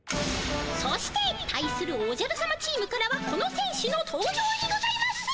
そして対するおじゃるさまチームからはこのせん手の登場にございます！